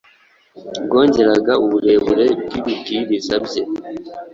byongeraga uburemere bw’ibibwiriza bye.